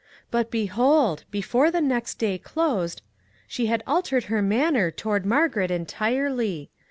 But, behold ! before the next day closed she had al tered her manner toward Margaret entirely.